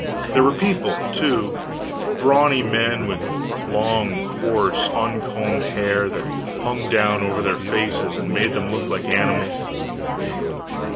There were people, too; brawny men, with long, coarse, uncombed hair that hung down over their faces and made them look like animals.